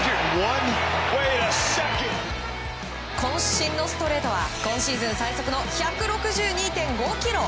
渾身のストレートは今シーズン最速の１６２．５キロ。